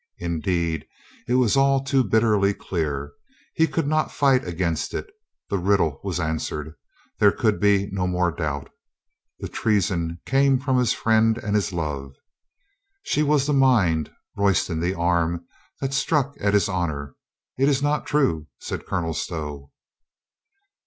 Indeed, it was all too bitterly clear. He could not fight against it. The riddle was answered. There could be no more doubt. The treason came from his friend and his love. She was the mind, Royston the arm that struck at his honor. "It is not true," said Colonel Stow.